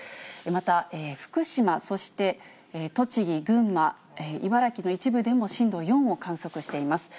また、福島、そして栃木、群馬、茨城の一部でも、震度４を観測しています。